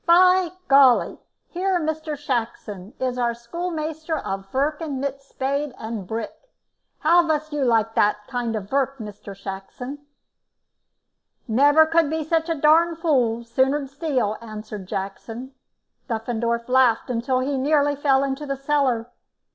Py golly! Here, Mr. Shackson, is our schoolmeister a vurkin mit spade and bick. How vas you like dat kind of vurk, Mr. Shackson?" "Never could be such a darned fool; sooner steal," answered Jackson. Duffendorf laughed until he nearly fell into the cellar.